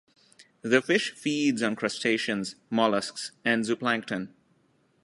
The fish feeds on crustaceans, molluscs, and zooplankton.